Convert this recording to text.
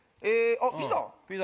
あっピザ？